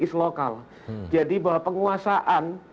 is lokal jadi bahwa penguasaan